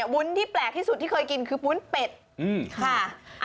วุ้นที่แปลกที่สุดที่เคยกินคือวุ้นเป็ดค่ะ